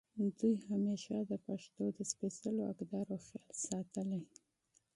دوي همېشه د پښتو د سپېځلو اقدارو خيال ساتلے